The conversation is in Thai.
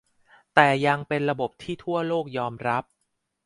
แต่ยังเป็นระบบที่ทั่วโลกยอมรับ